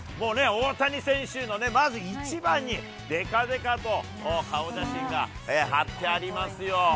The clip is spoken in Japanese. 大谷選手のね、まず一番に、でかでかと顔写真が貼ってありますよ。